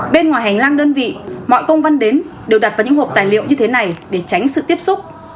bên ngoài hành lang đơn vị mọi công văn đến đều đặt vào những hộp tài liệu như thế này để tránh sự tiếp xúc